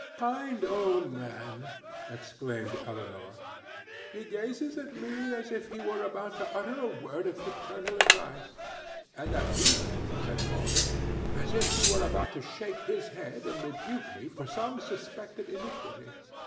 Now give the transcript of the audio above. "Kind old man!" exclaimed Elinor. "He gazes at me as if he were about to utter a word of paternal advice." "And at me," said Walter, "as if he were about to shake his head and rebuke me for some suspected iniquity.